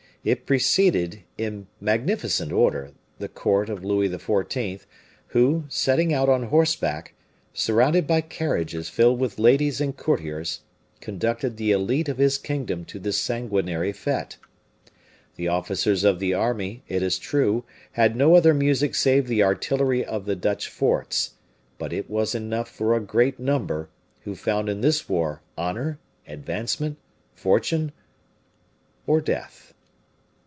It preceded, in magnificent order, the court of Louis XIV., who, setting out on horseback, surrounded by carriages filled with ladies and courtiers, conducted the elite of his kingdom to this sanguinary fete. The officers of the army, it is true, had no other music save the artillery of the Dutch forts; but it was enough for a great number, who found in this war honor, advancement, fortune or death.